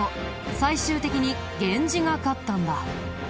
最終的に源氏が勝ったんだ。